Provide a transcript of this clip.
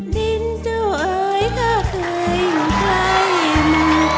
ดินเจ้าเอ๋ยก็เคยอยู่ใกล้เย็นมาก่อน